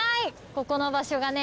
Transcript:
ここの場所がね